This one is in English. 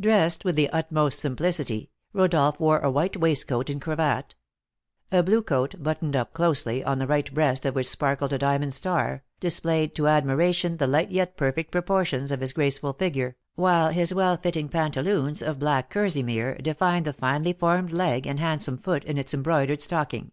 Dressed with the utmost simplicity, Rodolph wore a white waistcoat and cravat; a blue coat, buttoned up closely, on the right breast of which sparkled a diamond star, displayed to admiration the light yet perfect proportions of his graceful figure, while his well fitting pantaloons, of black kerseymere, defined the finely formed leg and handsome foot in its embroidered stocking.